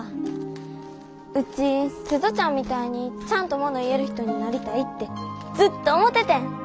ウチ鈴ちゃんみたいにちゃんともの言える人になりたいってずっと思ててん。